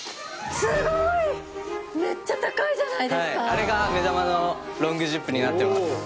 あれが目玉のロングジップになってます。